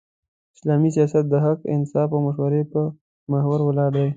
اسلامي سیاست د حق، انصاف او مشورې پر محور ولاړ دی.